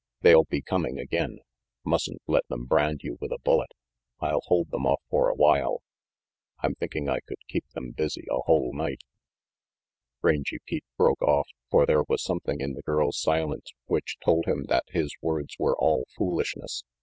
"They'll be coming again mustn't let them brand you with a bullet I'll hold them off for a while I'm thinkin' I could keep them busy a whole night ': Rangy Pete broke off, for there was something in the girl's silence which told him that his words were RANGY PETE 371 all foolishness.